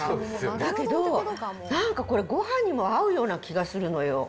だけど、なんかこれ、ごはんにも合うような気がするのよ。